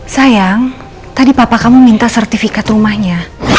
sayang tadi papa kamu minta sertifikat rumahnya